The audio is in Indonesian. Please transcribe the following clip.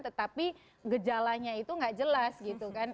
tetapi gejalanya itu nggak jelas gitu kan